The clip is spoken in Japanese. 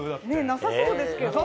なさそうですけど。